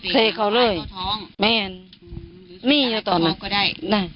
เซเขาเลยแม่นนี่แล้วต่อหน่อย